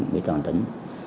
bị toàn tỉnh